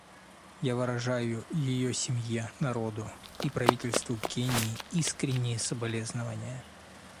Я выражаю ее семье, народу и правительству Кении искренние соболезнования.